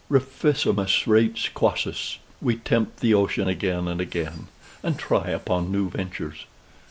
Reficimus rates quassas: we tempt the ocean again and again, and try upon new ventures.